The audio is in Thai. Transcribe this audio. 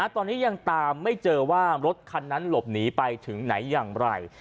ตอนนี้ยังตามไม่เจอว่ารถคันนั้นหลบหนีไปถึงไหนอย่างไร